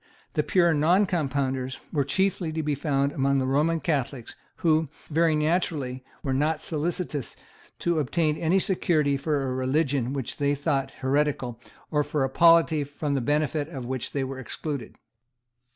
The pure Noncompounders were chiefly to be found among the Roman Catholics, who, very naturally, were not solicitous to obtain any security for a religion which they thought heretical, or for a polity from the benefits of which they were excluded.